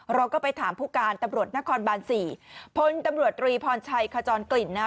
เราก็ไปถามผู้การตำรวจนครบานสี่พลตำรวจตรีพรชัยขจรกลิ่นนะ